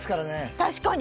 確かに！